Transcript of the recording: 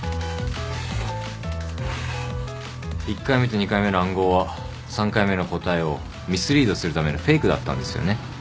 １回目と２回目の暗号は３回目の答えをミスリードするためのフェイクだったんですよね？